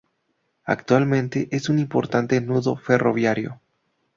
Actualmente es un importante nudo ferroviario.